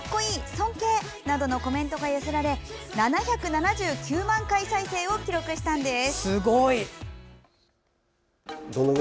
尊敬」などのコメントが寄せられ７７９万回再生を記録したんです。